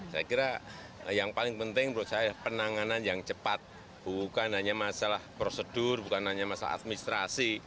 saya kira yang paling penting menurut saya penanganan yang cepat bukan hanya masalah prosedur bukan hanya masalah administrasi